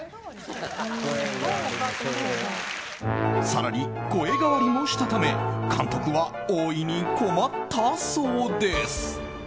更に声変わりもしたため監督は大いに困ったそうです。